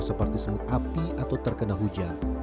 seperti semut api atau terkena hujan